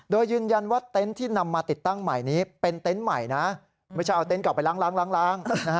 โดยยืนยันว่าเต็นต์ที่นำมาติดตั้งใหม่นี้เป็นเต็นต์ใหม่นะไม่ใช่เอาเต็นต์เก่าไปล้าง